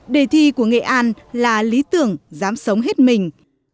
đề thi của nghệ an là lý tưởng dám sống hết mình